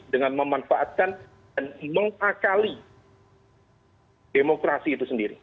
dengan memanfaatkan dan mengakali demokrasi itu sendiri